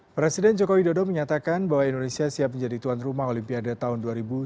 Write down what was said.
presiden jokowi dodo menyatakan bahwa indonesia siap menjadi tuan rumah olimpiade tahun dua ribu tiga puluh enam